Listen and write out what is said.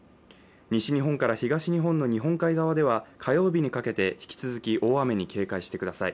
西日本から東日本の日本海側では火曜日にかけて引き続き大雨に警戒してください。